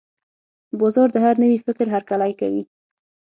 بازار د هر نوي فکر هرکلی کوي.